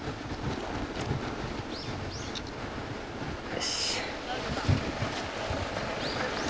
よし。